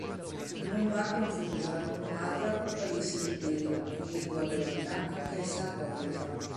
Non va confusa con un'altra "Apocalisse di Pietro", in lingua greca, anch'essa apocrifa.